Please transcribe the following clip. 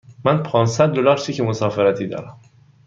من پانصد دلار چک مسافرتی دارم.